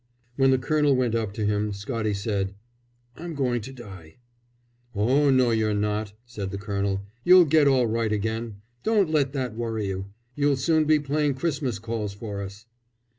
When the colonel went up to him, Scottie said, "I'm going to die!" "Oh no, you're not," said the colonel. "You'll get all right again. Don't let that worry you. You'll soon be playing Christmas Calls for us."